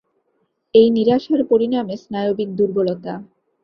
এই নিরাশার পরিণামে স্নায়বিক দুর্বলতা।